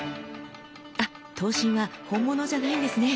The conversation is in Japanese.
あっ刀身は本物じゃないんですね。